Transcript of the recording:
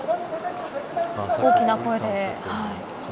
大きな声で。